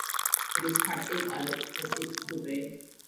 They described "Day Eight" as "a goodbye".